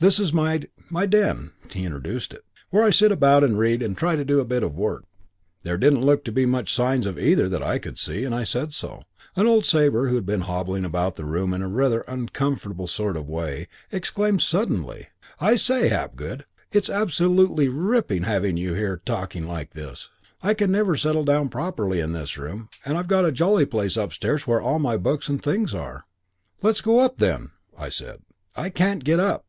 'This is my my den,' he introduced it, 'where I sit about and read and try to do a bit of work.' "There didn't look to be much signs of either that I could see, and I said so. And old Sabre, who'd been hobbling about the room in a rather uncomfortable sort of way, exclaimed suddenly, 'I say, Hapgood, it's absolutely ripping having you here talking like this. I never can settle down properly in this room, and I've got a jolly place upstairs where all my books and things are.' "'Let's go up then,' I said. "'I can't get up.'